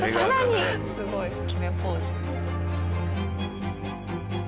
すごい決めポーズ。